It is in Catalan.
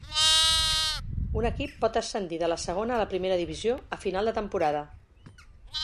Un equip pot ascendir de la segona a la primera divisió a final de temporada.